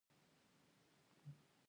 موږ د ډیموکراسۍ د نه ټینګښت لاملونه پېژنو.